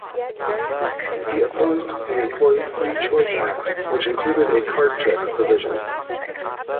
He opposed the Employee Free Choice Act, which included a card check provision.